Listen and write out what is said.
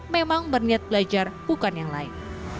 memang berniat belajar bukan yang lain